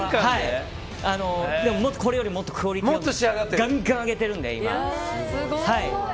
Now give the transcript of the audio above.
でも、これよりもっとクオリティをガンガン上げているので。